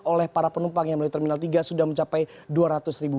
oleh para penumpang yang melalui terminal tiga sudah mencapai dua ratus ribu